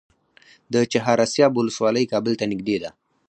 د چهار اسیاب ولسوالۍ کابل ته نږدې ده